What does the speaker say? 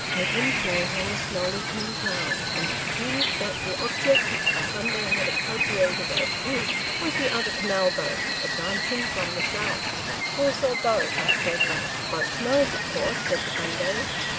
Edwin Clayhanger slowly turned round, and perceived that the object which the Sunday had appropriated as "his" was the other canal boat, advancing from the south. "Horse or boat?" asked Edwin. "Boat's nose, of course," said the Sunday.